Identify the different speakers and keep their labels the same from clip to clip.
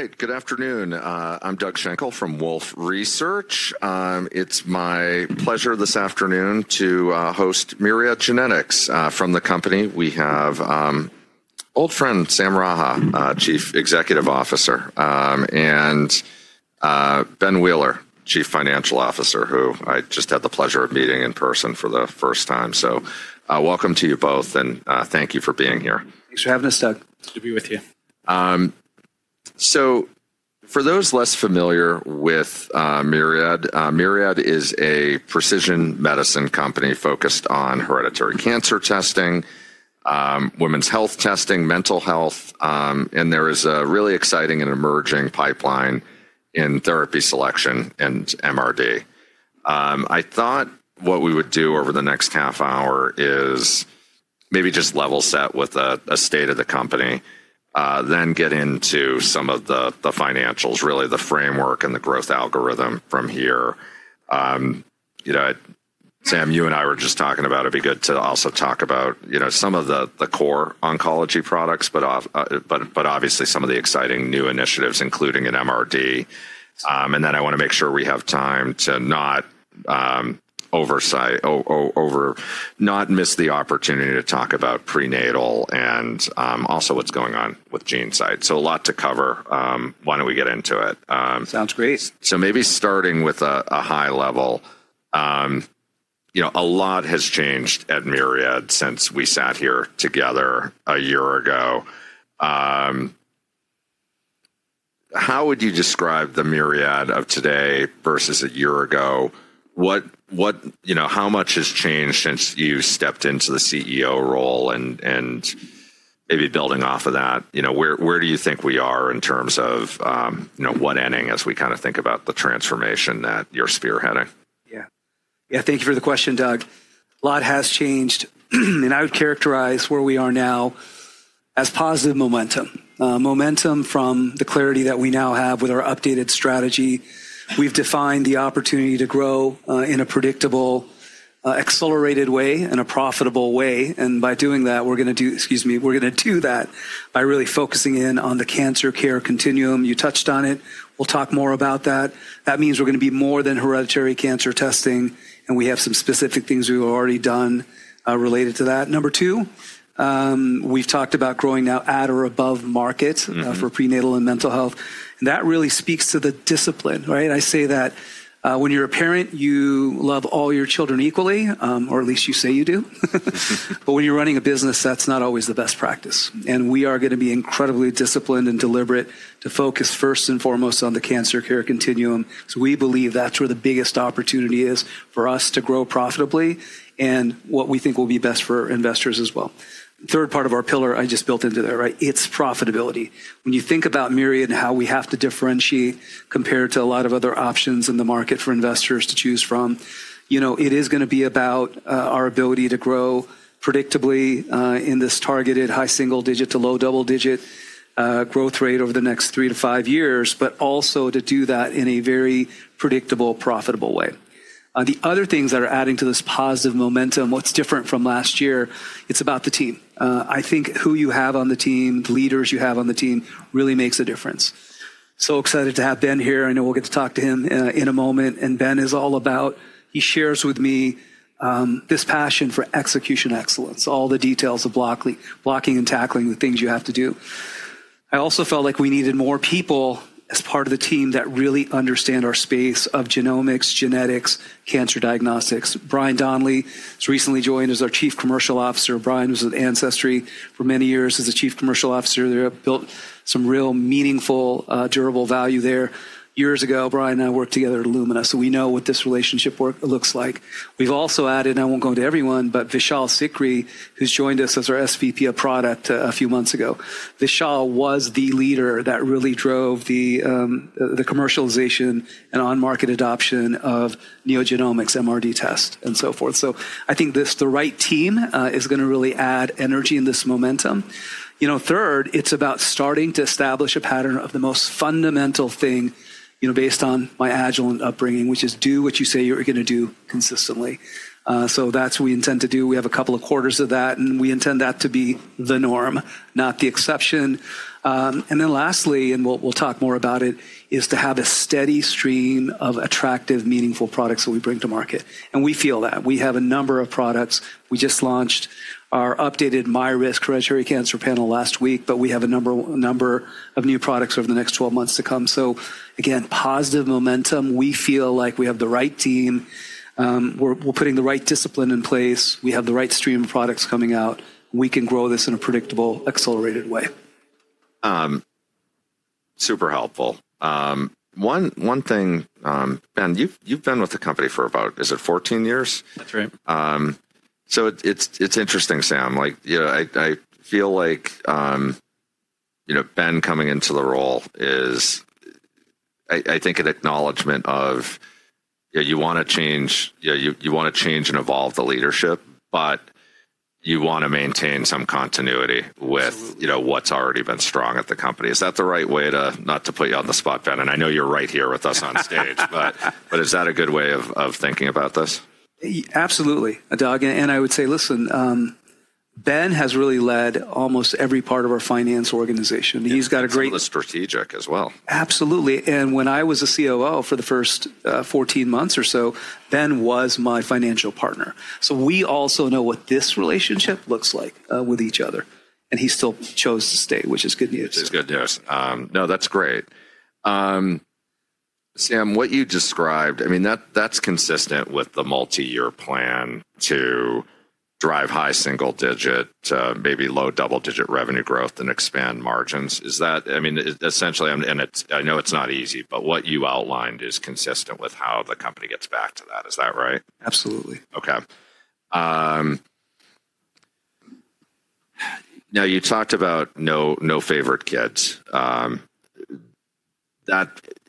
Speaker 1: All right, good afternoon. I'm Doug Shankle from Wolfe Research. It's my pleasure this afternoon to host Myriad Genetics from the company. We have old friend Sam Raha, Chief Executive Officer, and Ben Wheeler, Chief Financial Officer, who I just had the pleasure of meeting in person for the first time. Welcome to you both, and thank you for being here.
Speaker 2: Thanks for having us, Doug.
Speaker 3: Good to be with you.
Speaker 1: For those less familiar with Myriad, Myriad is a precision medicine company focused on hereditary cancer testing, women's health testing, mental health, and there is a really exciting and emerging pipeline in therapy selection and MRD. I thought what we would do over the next half hour is maybe just level set with a state of the company, then get into some of the financials, really the framework and the growth algorithm from here. Sam, you and I were just talking about it. It'd be good to also talk about some of the core oncology products, but obviously some of the exciting new initiatives, including an MRD. I want to make sure we have time to not miss the opportunity to talk about prenatal and also what's going on with GeneSight. A lot to cover. Why don't we get into it?
Speaker 2: Sounds great.
Speaker 1: Maybe starting with a high level, a lot has changed at Myriad Genetics since we sat here together a year ago. How would you describe the Myriad Genetics of today versus a year ago? How much has changed since you stepped into the CEO role and maybe building off of that? Where do you think we are in terms of what ending as we kind of think about the transformation that you're spearheading?
Speaker 2: Yeah. Yeah, thank you for the question, Doug. A lot has changed. I would characterize where we are now as positive momentum, momentum from the clarity that we now have with our updated strategy. We've defined the opportunity to grow in a predictable, accelerated way and a profitable way. By doing that, we're going to do, excuse me, we're going to do that by really focusing in on the cancer care continuum. You touched on it. We'll talk more about that. That means we're going to be more than hereditary cancer testing, and we have some specific things we've already done related to that. Number two, we've talked about growing now at or above market for prenatal and mental health. That really speaks to the discipline, right? I say that when you're a parent, you love all your children equally, or at least you say you do. When you're running a business, that's not always the best practice. We are going to be incredibly disciplined and deliberate to focus first and foremost on the cancer care continuum. We believe that's where the biggest opportunity is for us to grow profitably and what we think will be best for investors as well. Third part of our pillar I just built into there, right? It's profitability. When you think about Myriad and how we have to differentiate compared to a lot of other options in the market for investors to choose from, it is going to be about our ability to grow predictably in this targeted high single digit to low double digit growth rate over the next three to five years, but also to do that in a very predictable, profitable way. The other things that are adding to this positive momentum, what's different from last year, it's about the team. I think who you have on the team, the leaders you have on the team really makes a difference. Excited to have Ben here. I know we'll get to talk to him in a moment. Ben is all about, he shares with me this passion for execution excellence, all the details of blocking and tackling the things you have to do. I also felt like we needed more people as part of the team that really understand our space of genomics, genetics, cancer diagnostics. Brian Donnelly has recently joined as our Chief Commercial Officer. Brian was at Ancestry for many years as a Chief Commercial Officer. They built some real meaningful, durable value there. Years ago, Brian and I worked together at Illumina, so we know what this relationship looks like. We've also added, and I won't go into everyone, but Vishal Sikri, who's joined us as our SVP of Product a few months ago. Vishal was the leader that really drove the commercialization and on-market adoption of NeoGenomics, MRD tests, and so forth. I think the right team is going to really add energy in this momentum. Third, it's about starting to establish a pattern of the most fundamental thing based on my agile upbringing, which is do what you say you're going to do consistently. That's what we intend to do. We have a couple of quarters of that, and we intend that to be the norm, not the exception. Lastly, and we'll talk more about it, is to have a steady stream of attractive, meaningful products that we bring to market. We feel that. We have a number of products. We just launched our updated MyRisk hereditary cancer panel last week, but we have a number of new products over the next 12 months to come. Again, positive momentum. We feel like we have the right team. We're putting the right discipline in place. We have the right stream of products coming out. We can grow this in a predictable, accelerated way.
Speaker 1: Super helpful. One thing, Ben, you've been with the company for about, is it 14 years?
Speaker 3: That's right.
Speaker 1: It's interesting, Sam. I feel like Ben coming into the role is, I think, an acknowledgment of you want to change and evolve the leadership, but you want to maintain some continuity with what's already been strong at the company. Is that the right way to not to put you on the spot, Ben? I know you're right here with us on stage, but is that a good way of thinking about this?
Speaker 2: Absolutely, Doug. I would say, listen, Ben has really led almost every part of our finance organization. He's got a great.
Speaker 1: Absolutely. When I was a COO for the first 14 months or so, Ben was my financial partner. We also know what this relationship looks like with each other. He still chose to stay, which is good news. It's good news. No, that's great. Sam, what you described, I mean, that's consistent with the multi-year plan to drive high single digit, maybe low double digit revenue growth and expand margins. I mean, essentially, and I know it's not easy, but what you outlined is consistent with how the company gets back to that. Is that right?
Speaker 2: Absolutely.
Speaker 1: Okay. Now, you talked about no favorite kids.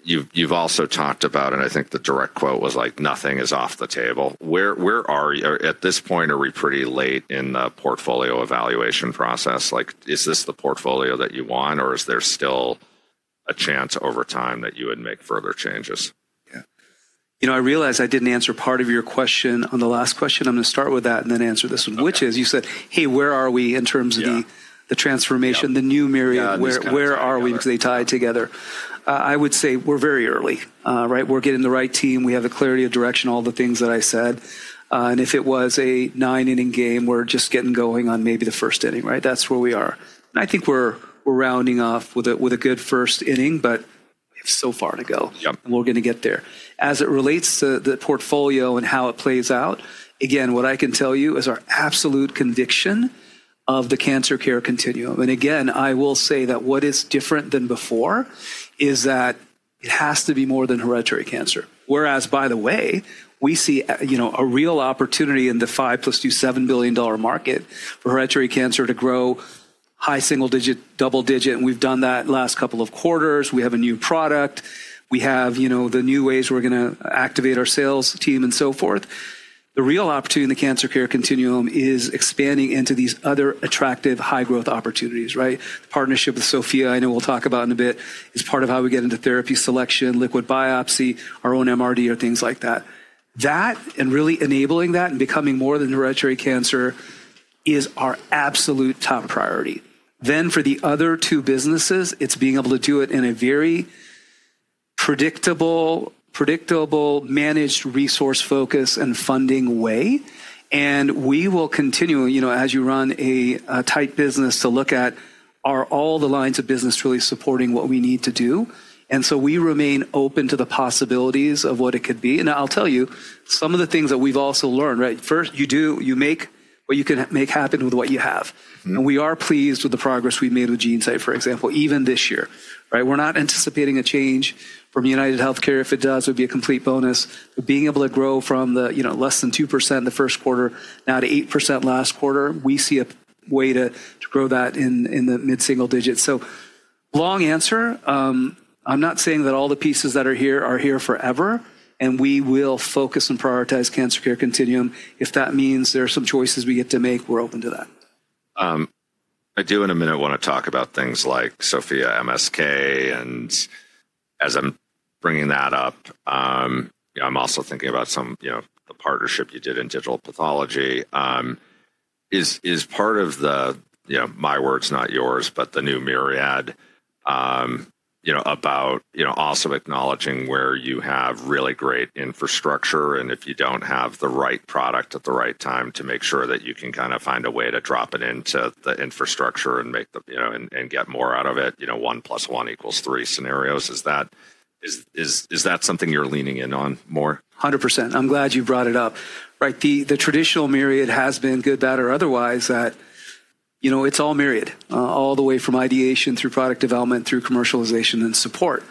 Speaker 1: You've also talked about, and I think the direct quote was like, "Nothing is off the table." At this point, are we pretty late in the portfolio evaluation process? Is this the portfolio that you want, or is there still a chance over time that you would make further changes?
Speaker 2: Yeah. You know, I realized I didn't answer part of your question on the last question. I'm going to start with that and then answer this one, which is you said, "Hey, where are we in terms of the transformation, the new Myriad? Where are we?" Because they tie together. I would say we're very early, right? We're getting the right team. We have the clarity of direction, all the things that I said. If it was a nine-inning game, we're just getting going on maybe the first inning, right? That's where we are. I think we're rounding off with a good first inning, but it's so far to go. We're going to get there. As it relates to the portfolio and how it plays out, again, what I can tell you is our absolute conviction of the cancer care continuum. I will say that what is different than before is that it has to be more than hereditary cancer. By the way, we see a real opportunity in the 5 plus 2, $7 billion market for hereditary cancer to grow high single digit, double digit. We have done that last couple of quarters. We have a new product. We have the new ways we are going to activate our sales team and so forth. The real opportunity in the cancer care continuum is expanding into these other attractive high-growth opportunities, right? Partnership with SOPHiA GENETICS, I know we will talk about in a bit, is part of how we get into therapy selection, liquid biopsy, our own MRD, or things like that. That and really enabling that and becoming more than hereditary cancer is our absolute top priority. For the other two businesses, it's being able to do it in a very predictable, managed, resource-focused and funding way. We will continue, as you run a tight business, to look at, are all the lines of business truly supporting what we need to do? We remain open to the possibilities of what it could be. I'll tell you, some of the things that we've also learned, right? First, you make what you can make happen with what you have. We are pleased with the progress we've made with GeneSight, for example, even this year, right? We're not anticipating a change from UnitedHealthcare. If it does, it would be a complete bonus. Being able to grow from less than 2% the first quarter now to 8% last quarter, we see a way to grow that in the mid-single digits. Long answer, I'm not saying that all the pieces that are here are here forever. We will focus and prioritize cancer care continuum. If that means there are some choices we get to make, we're open to that.
Speaker 1: I do, in a minute, want to talk about things like SOPHiA MSK. As I'm bringing that up, I'm also thinking about the partnership you did in digital pathology. Is part of the, my words, not yours, but the new Myriad about also acknowledging where you have really great infrastructure and if you do not have the right product at the right time to make sure that you can kind of find a way to drop it into the infrastructure and get more out of it, one plus one equals three scenarios. Is that something you're leaning in on more?
Speaker 2: 100%. I'm glad you brought it up. Right. The traditional Myriad has been, good, bad, or otherwise, that it's all Myriad, all the way from ideation through product development, through commercialization and support.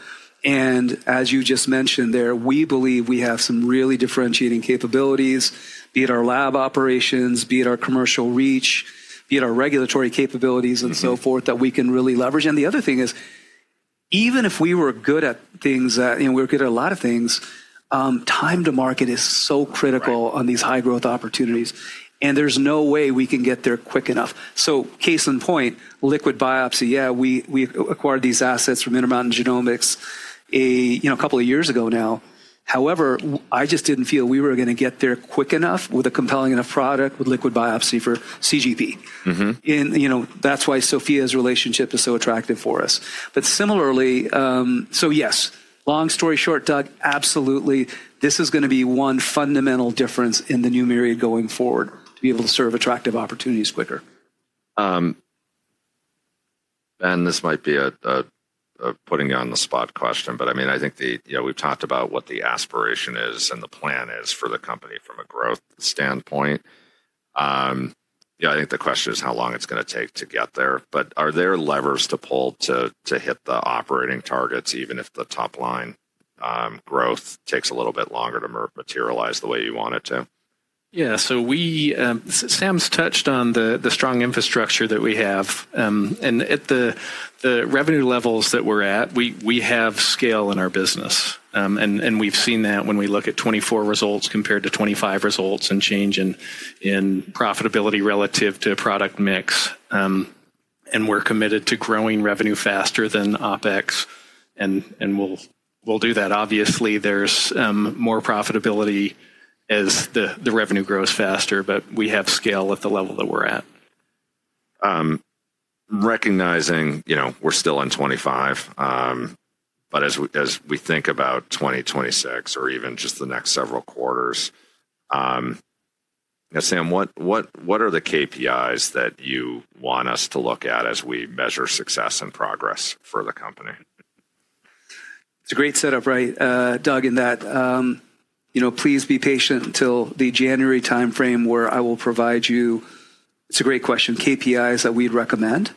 Speaker 2: As you just mentioned there, we believe we have some really differentiating capabilities, be it our lab operations, be it our commercial reach, be it our regulatory capabilities and so forth that we can really leverage. The other thing is, even if we were good at things, we're good at a lot of things, time to market is so critical on these high-growth opportunities. There's no way we can get there quick enough. Case in point, liquid biopsy. Yeah, we acquired these assets from Intermountain Genomics a couple of years ago now. However, I just didn't feel we were going to get there quick enough with a compelling enough product with liquid biopsy for CGP. That is why SOPHiA's relationship is so attractive for us. Similarly, yes, long story short, Doug, absolutely. This is going to be one fundamental difference in the new Myriad going forward to be able to serve attractive opportunities quicker.
Speaker 1: Ben, this might be a putting you on the spot question, but I mean, I think we've talked about what the aspiration is and the plan is for the company from a growth standpoint. Yeah, I think the question is how long it's going to take to get there. Are there levers to pull to hit the operating targets, even if the top-line growth takes a little bit longer to materialize the way you want it to?
Speaker 3: Yeah. Sam's touched on the strong infrastructure that we have. At the revenue levels that we're at, we have scale in our business. We've seen that when we look at 2024 results compared to 2025 results and change in profitability relative to product mix. We're committed to growing revenue faster than OpEx. We'll do that. Obviously, there's more profitability as the revenue grows faster, but we have scale at the level that we're at.
Speaker 1: Recognizing we're still in 2025, but as we think about 2026 or even just the next several quarters, Sam, what are the KPIs that you want us to look at as we measure success and progress for the company?
Speaker 2: It's a great setup, right, Doug, in that please be patient until the January timeframe where I will provide you, it's a great question, KPIs that we'd recommend.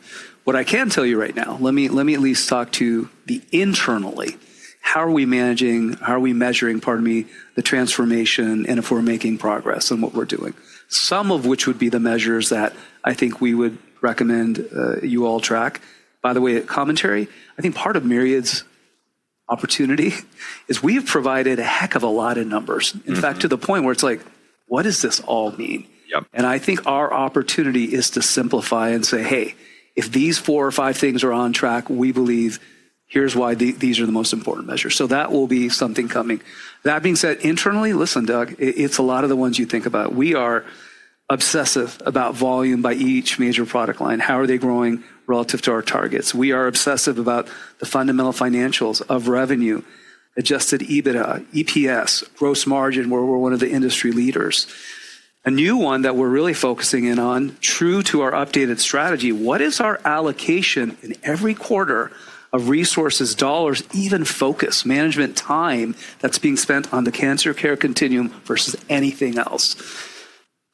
Speaker 2: What I can tell you right now, let me at least talk to the internally, how are we managing, how are we measuring, pardon me, the transformation and if we're making progress on what we're doing, some of which would be the measures that I think we would recommend you all track. By the way, commentary, I think part of Myriad's opportunity is we've provided a heck of a lot of numbers. In fact, to the point where it's like, what does this all mean? I think our opportunity is to simplify and say, "Hey, if these four or five things are on track, we believe here's why these are the most important measures." That will be something coming. That being said, internally, listen, Doug, it's a lot of the ones you think about. We are obsessive about volume by each major product line. How are they growing relative to our targets? We are obsessive about the fundamental financials of revenue, adjusted EBITDA, EPS, gross margin, where we're one of the industry leaders. A new one that we're really focusing in on, true to our updated strategy, what is our allocation in every quarter of resources, dollars, even focus, management time that's being spent on the cancer care continuum versus anything else?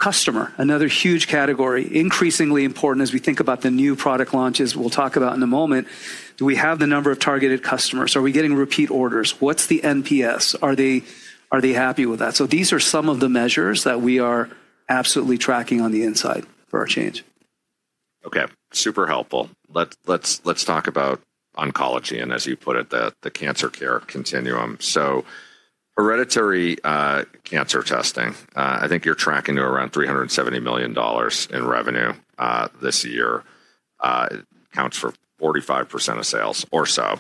Speaker 2: Customer, another huge category, increasingly important as we think about the new product launches, we'll talk about in a moment. Do we have the number of targeted customers? Are we getting repeat orders? What's the NPS? Are they happy with that? These are some of the measures that we are absolutely tracking on the inside for our change.
Speaker 1: Okay. Super helpful. Let's talk about oncology and, as you put it, the cancer care continuum. So hereditary cancer testing, I think you're tracking to around $370 million in revenue this year. It counts for 45% of sales or so,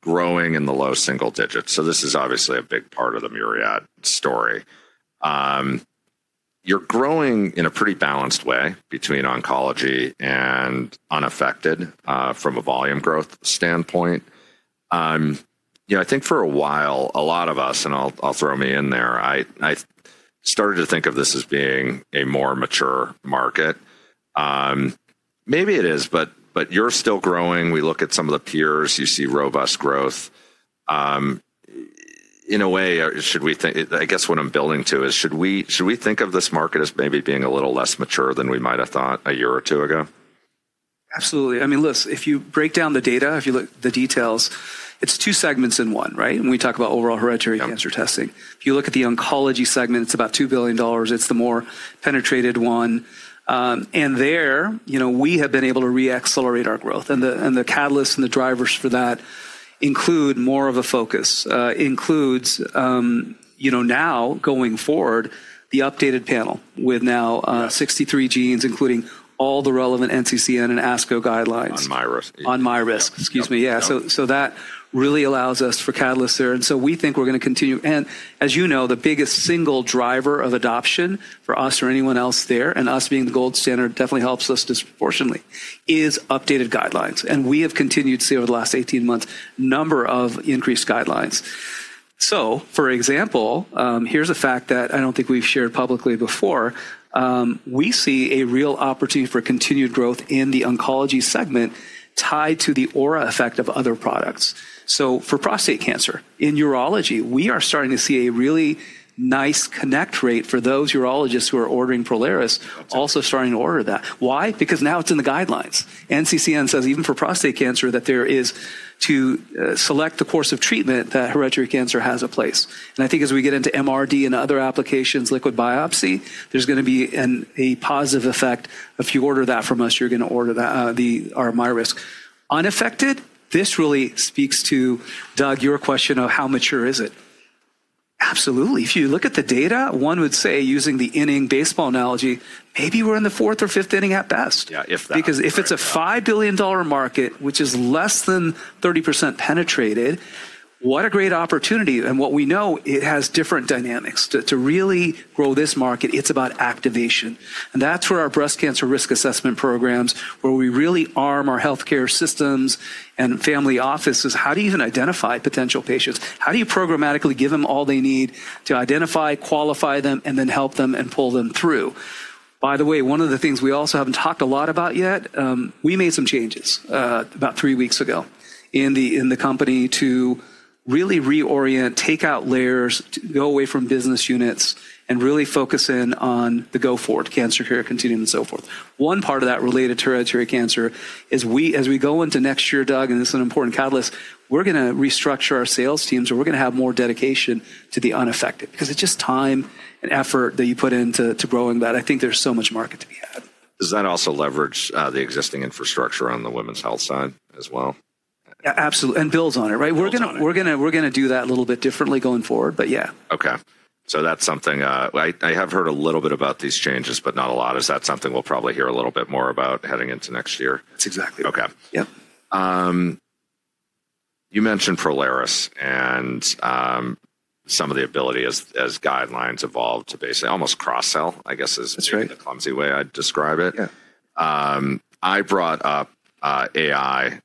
Speaker 1: growing in the low single digits. This is obviously a big part of the Myriad story. You're growing in a pretty balanced way between oncology and unaffected from a volume growth standpoint. I think for a while, a lot of us, and I'll throw me in there, I started to think of this as being a more mature market. Maybe it is, but you're still growing. We look at some of the peers. You see robust growth. In a way, I guess what I'm building to is, should we think of this market as maybe being a little less mature than we might have thought a year or two ago?
Speaker 2: Absolutely. I mean, listen, if you break down the data, if you look at the details, it's two segments in one, right? When we talk about overall hereditary cancer testing. If you look at the oncology segment, it's about $2 billion. It's the more penetrated one. There, we have been able to reaccelerate our growth. The catalysts and the drivers for that include more of a focus, includes now going forward, the updated panel with now 63 genes, including all the relevant NCCN and ASCO guidelines.
Speaker 1: On MyRisk.
Speaker 2: On MyRisk, excuse me. Yeah. That really allows us for catalysts there. We think we're going to continue. As you know, the biggest single driver of adoption for us or anyone else there, and us being the gold standard definitely helps us disproportionately, is updated guidelines. We have continued to see over the last 18 months a number of increased guidelines. For example, here's a fact that I don't think we've shared publicly before. We see a real opportunity for continued growth in the oncology segment tied to the aura effect of other products. For prostate cancer, in urology, we are starting to see a really nice connect rate for those urologists who are ordering Prolaris also starting to order that. Why? Because now it's in the guidelines. NCCN says even for prostate cancer that there is to select the course of treatment that hereditary cancer has a place. I think as we get into MRD and other applications, liquid biopsy, there's going to be a positive effect. If you order that from us, you're going to order that, our MyRisk. Unaffected, this really speaks to, Doug, your question of how mature is it? Absolutely. If you look at the data, one would say using the inning baseball analogy, maybe we're in the fourth or fifth inning at best.
Speaker 1: Yeah, if that.
Speaker 2: Because if it's a $5 billion market, which is less than 30% penetrated, what a great opportunity. What we know, it has different dynamics. To really grow this market, it's about activation. That's where our breast cancer risk assessment programs, where we really arm our healthcare systems and family offices, how do you even identify potential patients? How do you programmatically give them all they need to identify, qualify them, and then help them and pull them through? By the way, one of the things we also have not talked a lot about yet, we made some changes about three weeks ago in the company to really reorient, take out layers, go away from business units, and really focus in on the go forward, cancer care continuum and so forth. One part of that related to hereditary cancer is as we go into next year, Doug, and this is an important catalyst, we're going to restructure our sales teams or we're going to have more dedication to the unaffected because it's just time and effort that you put into growing that. I think there's so much market to be had.
Speaker 1: Does that also leverage the existing infrastructure on the women's health side as well?
Speaker 2: Absolutely. It builds on it, right? We're going to do that a little bit differently going forward, but yeah.
Speaker 1: Okay. So that's something I have heard a little bit about these changes, but not a lot. Is that something we'll probably hear a little bit more about heading into next year?
Speaker 2: That's exactly right. Yep.
Speaker 1: You mentioned Prolaris and some of the ability as guidelines evolve to basically almost cross-sell, I guess, is the clumsy way I'd describe it. I brought up AI-enabled,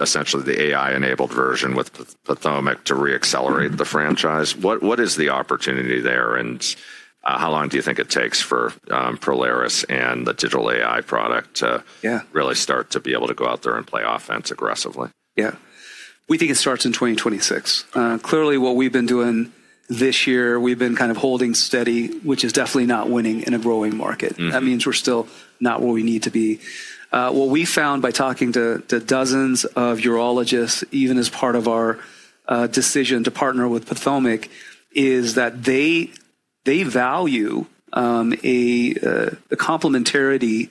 Speaker 1: essentially the AI-enabled version with Pathomic to reaccelerate the franchise. What is the opportunity there? How long do you think it takes for Prolaris and the digital AI product to really start to be able to go out there and play offense aggressively?
Speaker 2: Yeah. We think it starts in 2026. Clearly, what we've been doing this year, we've been kind of holding steady, which is definitely not winning in a growing market. That means we're still not where we need to be. What we found by talking to dozens of urologists, even as part of our decision to partner with Pathomic, is that they value a complementarity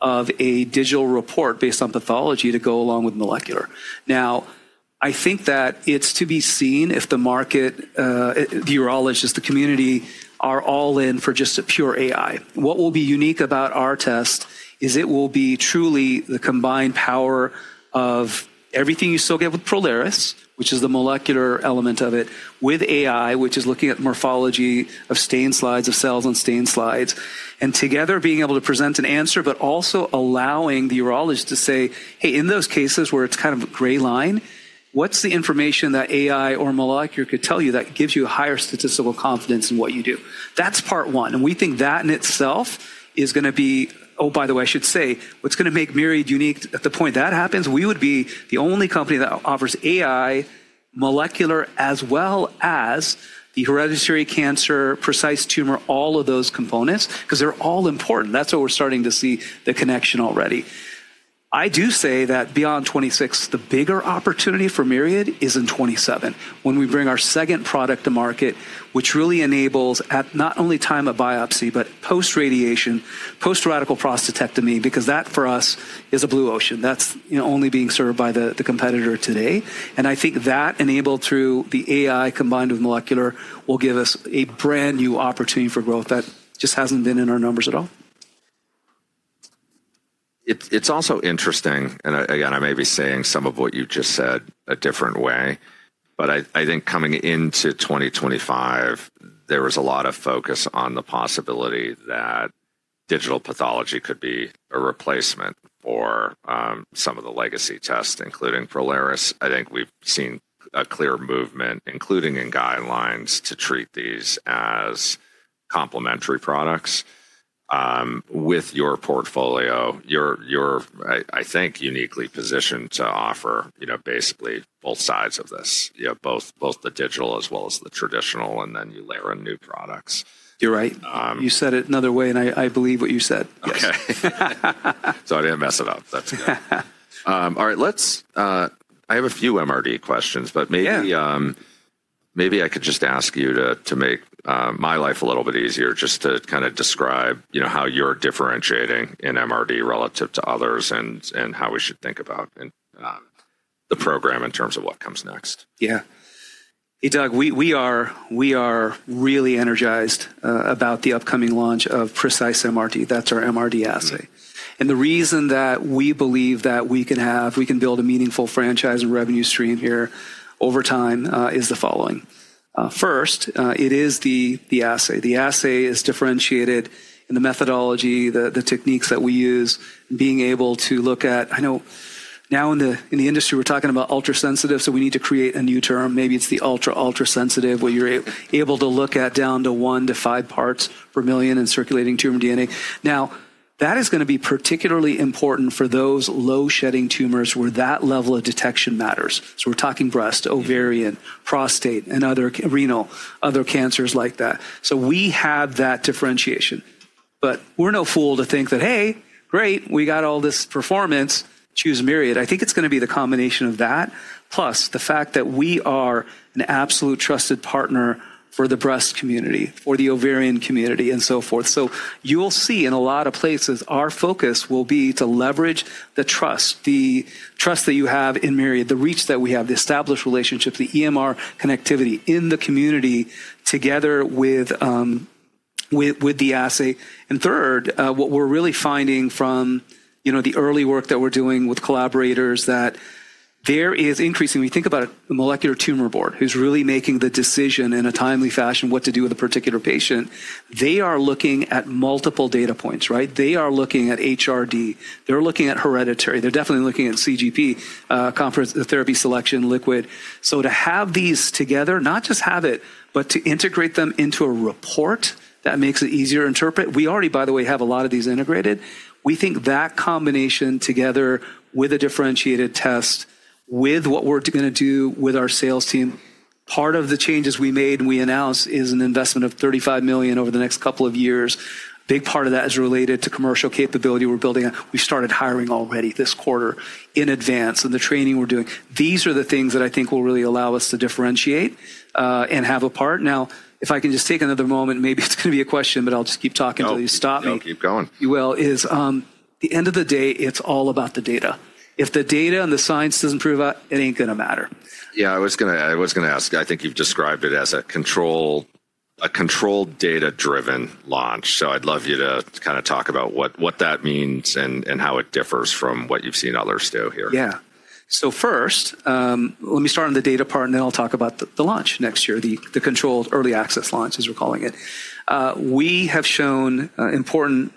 Speaker 2: of a digital report based on pathology to go along with molecular. Now, I think that it's to be seen if the market, the urologists, the community are all in for just a pure AI. What will be unique about our test is it will be truly the combined power of everything you still get with Prolaris, which is the molecular element of it, with AI, which is looking at morphology of stained slides, of cells on stained slides, and together being able to present an answer, but also allowing the urologist to say, "Hey, in those cases where it's kind of a gray line, what's the information that AI or molecular could tell you that gives you a higher statistical confidence in what you do?" That's part one. We think that in itself is going to be, oh, by the way, I should say, what's going to make Myriad unique at the point that happens, we would be the only company that offers AI, molecular, as well as the hereditary cancer, precise tumor, all of those components because they're all important. That's what we're starting to see the connection already. I do say that beyond 2026, the bigger opportunity for Myriad is in 2027 when we bring our second product to market, which really enables not only time of biopsy, but post-radiation, post-radical prostatectomy, because that for us is a blue ocean. That's only being served by the competitor today. I think that enabled through the AI combined with molecular will give us a brand new opportunity for growth that just hasn't been in our numbers at all.
Speaker 1: It's also interesting, and again, I may be saying some of what you just said a different way, but I think coming into 2025, there was a lot of focus on the possibility that digital pathology could be a replacement for some of the legacy tests, including Prolaris. I think we've seen a clear movement, including in guidelines to treat these as complementary products. With your portfolio, you're, I think, uniquely positioned to offer basically both sides of this, both the digital as well as the traditional, and then you layer in new products.
Speaker 2: You're right. You said it another way, and I believe what you said.
Speaker 1: Okay. I didn't mess it up. That's good. All right. I have a few MRD questions, but maybe I could just ask you to make my life a little bit easier just to kind of describe how you're differentiating in MRD relative to others and how we should think about the program in terms of what comes next.
Speaker 2: Yeah. Hey, Doug, we are really energized about the upcoming launch of Precise MRD. That's our MRD assay. The reason that we believe that we can build a meaningful franchise and revenue stream here over time is the following. First, it is the assay. The assay is differentiated in the methodology, the techniques that we use, being able to look at, I know now in the industry we're talking about ultrasensitive, so we need to create a new term. Maybe it's the ultra-ultrasensitive, where you're able to look at down to one to five parts per million in circulating tumor DNA. That is going to be particularly important for those low-shedding tumors where that level of detection matters. We're talking breast, ovarian, prostate, and other renal, other cancers like that. We have that differentiation. We are no fool to think that, "Hey, great, we got all this performance, choose Myriad." I think it is going to be the combination of that, plus the fact that we are an absolute trusted partner for the breast community, for the ovarian community, and so forth. You will see in a lot of places, our focus will be to leverage the trust, the trust that you have in Myriad, the reach that we have, the established relationship, the EMR connectivity in the community together with the assay. Third, what we are really finding from the early work that we are doing with collaborators is that there is increasing, we think about a molecular tumor board who is really making the decision in a timely fashion what to do with a particular patient. They are looking at multiple data points, right? They are looking at HRD. They are looking at hereditary. They're definitely looking at CGP, conference therapy selection, liquid. To have these together, not just have it, but to integrate them into a report that makes it easier to interpret. We already, by the way, have a lot of these integrated. We think that combination together with a differentiated test, with what we're going to do with our sales team, part of the changes we made and we announced is an investment of $35 million over the next couple of years. Big part of that is related to commercial capability we're building. We started hiring already this quarter in advance and the training we're doing. These are the things that I think will really allow us to differentiate and have a part. Now, if I can just take another moment, maybe it's going to be a question, but I'll just keep talking until you stop me.
Speaker 1: No, keep going.
Speaker 2: You will. At the end of the day, it's all about the data. If the data and the science doesn't prove out, it ain't going to matter.
Speaker 1: Yeah, I was going to ask. I think you've described it as a controlled data-driven launch. I'd love you to kind of talk about what that means and how it differs from what you've seen others do here.
Speaker 2: Yeah. So first, let me start on the data part, and then I'll talk about the launch next year, the controlled early access launch, as we're calling it. We have shown important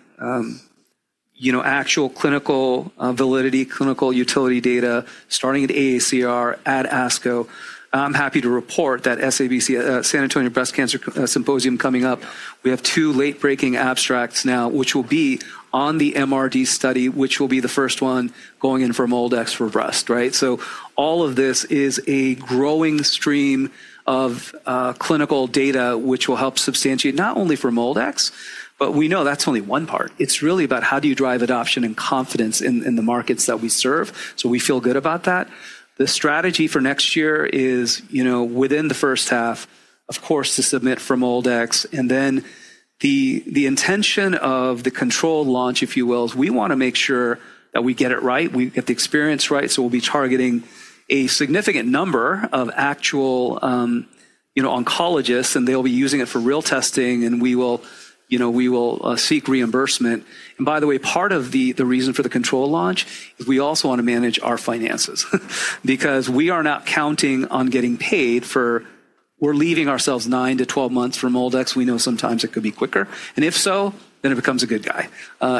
Speaker 2: actual clinical validity, clinical utility data starting at AACR, at ASCO. I'm happy to report that San Antonio Breast Cancer Symposium coming up. We have two late-breaking abstracts now, which will be on the MRD study, which will be the first one going in for MolDX for breast, right? All of this is a growing stream of clinical data which will help substantiate not only for MolDX, but we know that's only one part. It's really about how do you drive adoption and confidence in the markets that we serve. We feel good about that. The strategy for next year is within the first half, of course, to submit for MolDX. The intention of the controlled launch, if you will, is we want to make sure that we get it right, we get the experience right. We will be targeting a significant number of actual oncologists, and they will be using it for real testing, and we will seek reimbursement. By the way, part of the reason for the controlled launch is we also want to manage our finances because we are not counting on getting paid for. We are leaving ourselves nine to twelve months for MolDX. We know sometimes it could be quicker. If so, then it becomes a good guy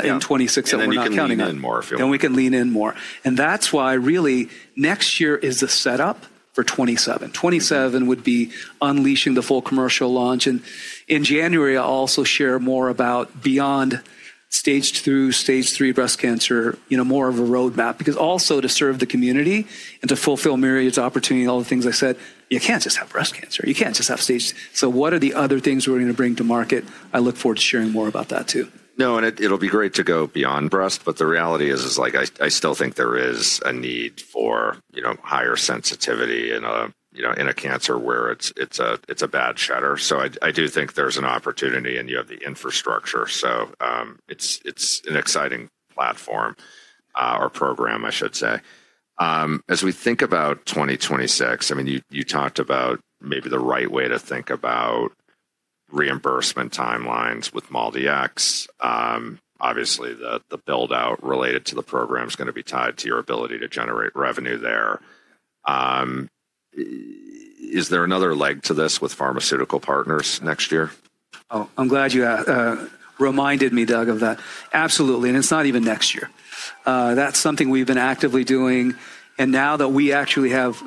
Speaker 2: in 2026 that we are not counting on.
Speaker 1: You can lean in more, if you will.
Speaker 2: We can lean in more. That is why really next year is the setup for 2027. 2027 would be unleashing the full commercial launch. In January, I will also share more about beyond stage two, stage three breast cancer, more of a roadmap because also to serve the community and to fulfill Myriad's opportunity, all the things I said, you cannot just have breast cancer. You cannot just have stage. What are the other things we are going to bring to market? I look forward to sharing more about that too.
Speaker 1: No, and it'll be great to go beyond breast, but the reality is I still think there is a need for higher sensitivity in a cancer where it's a bad shutter. I do think there's an opportunity and you have the infrastructure. It is an exciting platform or program, I should say. As we think about 2026, I mean, you talked about maybe the right way to think about reimbursement timelines with MolDX. Obviously, the buildout related to the program is going to be tied to your ability to generate revenue there. Is there another leg to this with pharmaceutical partners next year?
Speaker 2: Oh, I'm glad you reminded me, Doug, of that. Absolutely. It's not even next year. That's something we've been actively doing. Now that we actually have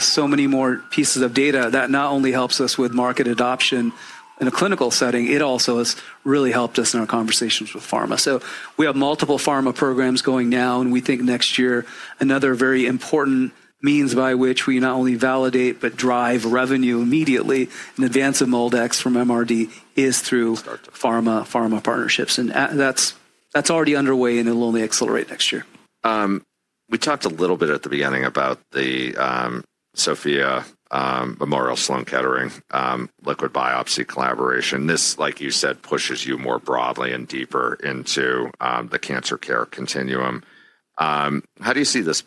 Speaker 2: so many more pieces of data that not only helps us with market adoption in a clinical setting, it also has really helped us in our conversations with pharma. We have multiple pharma programs going now, and we think next year, another very important means by which we not only validate, but drive revenue immediately in advance of MolDX from MRD is through pharma partnerships. That's already underway, and it'll only accelerate next year.
Speaker 1: We talked a little bit at the beginning about the SOPHiA GENETICS Memorial Sloan Kettering liquid biopsy collaboration. This, like you said, pushes you more broadly and deeper into the cancer care continuum. How do you see this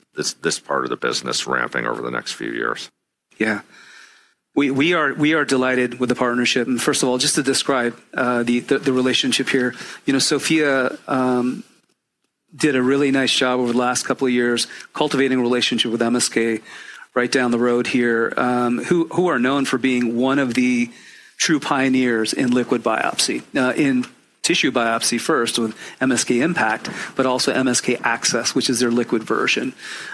Speaker 1: part of the business ramping over the next few years?
Speaker 2: Yeah. We are delighted with the partnership. First of all, just to describe the relationship here, SOPHiA did a really nice job over the last couple of years cultivating a relationship with Memorial Sloan Kettering right down the road here, who are known for being one of the true pioneers in liquid biopsy, in tissue biopsy first with MSK Impact, but also MSK Access, which is their liquid version.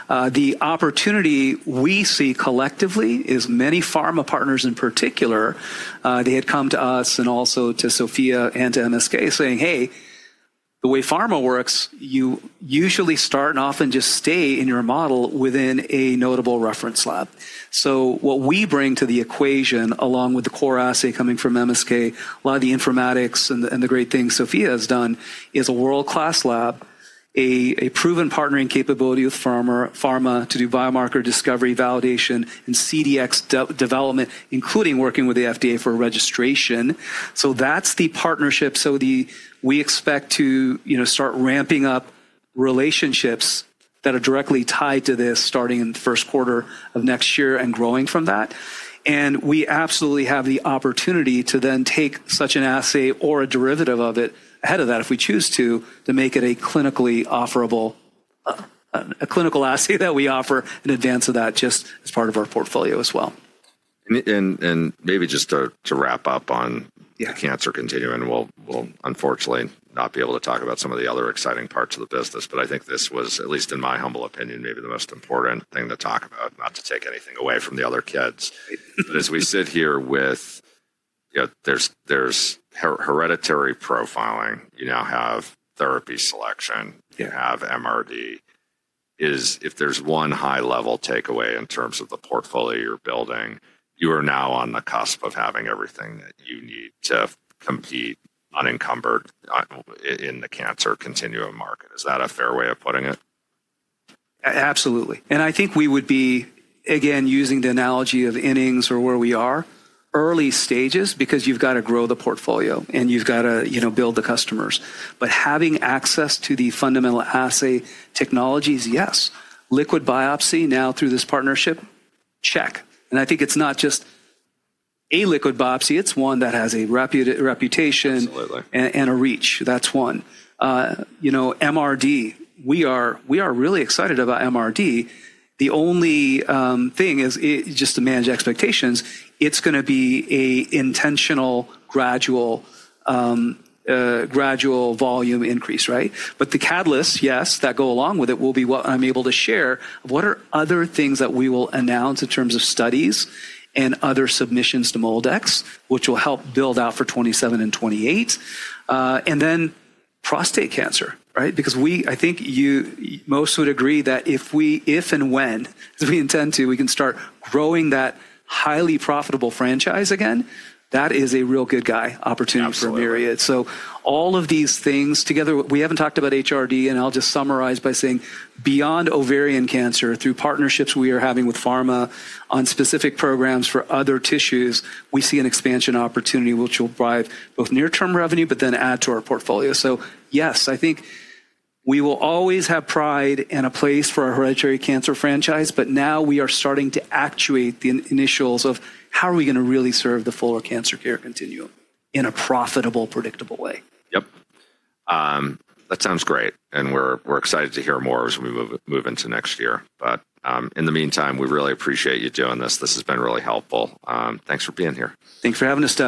Speaker 2: The opportunity we see collectively is many pharma partners in particular, they had come to us and also to SOPHiA and to MSK saying, "Hey, the way pharma works, you usually start and often just stay in your model within a notable reference lab." What we bring to the equation along with the core assay coming from MSK, a lot of the informatics and the great things SOPHiA has done is a world-class lab, a proven partnering capability with pharma to do biomarker discovery, validation, and CDX development, including working with the FDA for registration. That is the partnership. We expect to start ramping up relationships that are directly tied to this starting in the first quarter of next year and growing from that. We absolutely have the opportunity to then take such an assay or a derivative of it ahead of that if we choose to, to make it a clinically offerable, a clinical assay that we offer in advance of that just as part of our portfolio as well.
Speaker 1: Maybe just to wrap up on the cancer continuum, we'll unfortunately not be able to talk about some of the other exciting parts of the business, but I think this was, at least in my humble opinion, maybe the most important thing to talk about, not to take anything away from the other kids. As we sit here with hereditary profiling, you now have therapy selection, you have MRD. If there's one high-level takeaway in terms of the portfolio you're building, you are now on the cusp of having everything that you need to compete unencumbered in the cancer continuum market. Is that a fair way of putting it?
Speaker 2: Absolutely. I think we would be, again, using the analogy of innings or where we are, early stages because you've got to grow the portfolio and you've got to build the customers. Having access to the fundamental assay technologies, yes, liquid biopsy now through this partnership, check. I think it's not just a liquid biopsy, it's one that has a reputation and a reach. That's one. MRD, we are really excited about MRD. The only thing is just to manage expectations, it's going to be an intentional gradual volume increase, right? The catalysts, yes, that go along with it will be what I'm able to share of what are other things that we will announce in terms of studies and other submissions to MolDX, which will help build out for 2027 and 2028. Then prostate cancer, right? Because I think most would agree that if and when we intend to, we can start growing that highly profitable franchise again, that is a real good guy opportunity for Myriad. All of these things together, we haven't talked about HRD, and I'll just summarize by saying beyond ovarian cancer, through partnerships we are having with pharma on specific programs for other tissues, we see an expansion opportunity which will drive both near-term revenue, but then add to our portfolio. Yes, I think we will always have pride and a place for our hereditary cancer franchise, but now we are starting to actuate the initials of how are we going to really serve the full cancer care continuum in a profitable, predictable way.
Speaker 1: Yep. That sounds great. We are excited to hear more as we move into next year. In the meantime, we really appreciate you doing this. This has been really helpful. Thanks for being here.
Speaker 2: Thanks for having us, Todd.